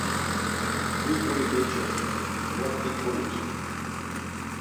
Huy guri meç̌ordu moxt̆i konumtsxvi.